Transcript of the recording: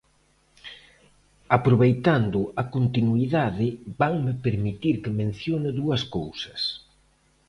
Aproveitando a continuidade, vanme permitir que mencione dúas cousas.